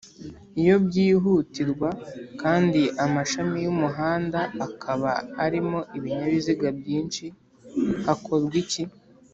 iyo byihutirwa kandi amashami y’umuhanda akaba arimo Ibinyabiziga byinshi hakorwa iki